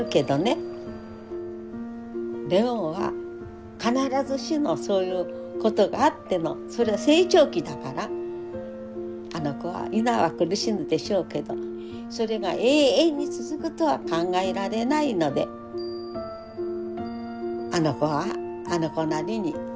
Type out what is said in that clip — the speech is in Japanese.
麗桜は必ずしもそういうことがあってのそれは成長期だからあの子は今は苦しむでしょうけどそれが永遠に続くとは考えられないのであの子はあの子なりに生きていける。